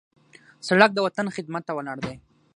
سړک د وطن خدمت ته ولاړ دی.